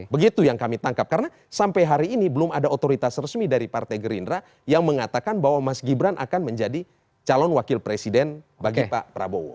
begitu yang kami tangkap karena sampai hari ini belum ada otoritas resmi dari partai gerindra yang mengatakan bahwa mas gibran akan menjadi calon wakil presiden bagi pak prabowo